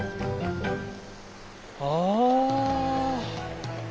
ああ！